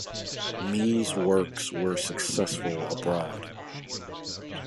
Mee's works were successful abroad.